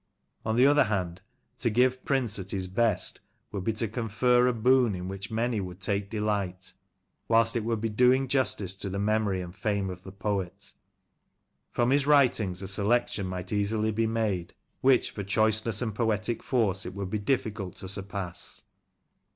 On the other hand, to give Priijice at his best would be to confer a boon in which many would take delight, whilst it would be doing justice to the memory and fame of the poet From his writings a selection might easily be made, which, for choiceness and poetic force, it would be difficult to surpass.